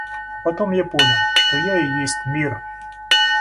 А потом я понял, что я и есть мир.